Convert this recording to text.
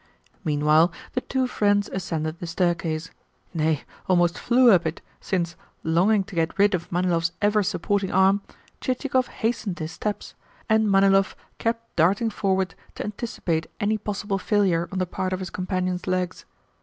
Meanwhile the two friends ascended the staircase nay, almost flew up it, since, longing to get rid of Manilov's ever supporting arm, Chichikov hastened his steps, and Manilov kept darting forward to anticipate any possible failure on the part of his companion's legs.